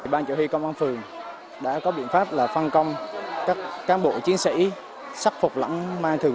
bàn chủ huy công an phường đã có biện pháp là phân công các cán bộ chiến sĩ sắc phục lãng man thường